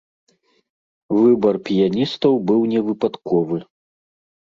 Выбар піяністаў быў не выпадковы.